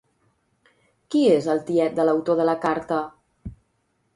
Qui és el tiet de l'autor de la carta?